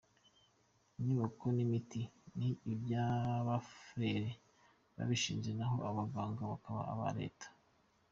Inyubako n’imiti ni iby’abafurere babishinze naho abaganga bakaba aba Leta.